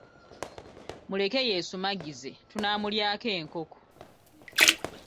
Muleke yeesumagize tunaamulyako enkoko.